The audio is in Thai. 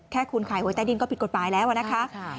แค่คุณขายหวยใต้ดินก็ผิดกฎหมายแล้วนะคะ